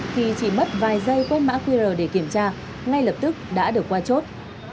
thì chỉ mất vài giây quét mã qr để kiểm tra ngay lập tức đã được qua chốt